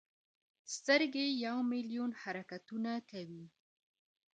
سترګې یو ملیون حرکتونه کوي.